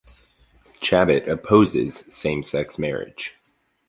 Chabot opposes same-sex marriage.